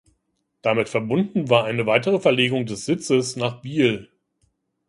Damit verbunden war eine weitere Verlegung des Sitzes nach Biel.